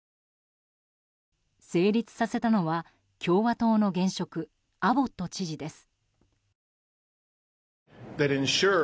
成立させたのは共和党の現職アボット知事です。